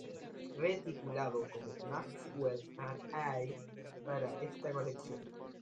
Retitulado como "Maxwell and I" para esta colección.